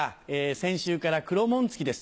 先週から黒紋付きです。